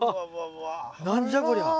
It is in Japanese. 何じゃこりゃ。